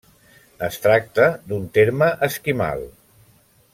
Es tracta d'un terme esquimal.